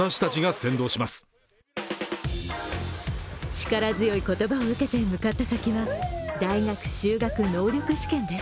力強い言葉を受けて向かった先は大学修学能力試験です。